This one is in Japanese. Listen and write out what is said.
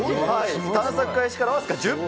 探索開始から僅か１０分。